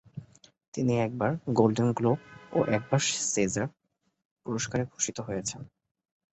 তিনবার তিনি Golden Globe ও একবার সেজার পুরস্কারে ভূষিত হয়েছেন।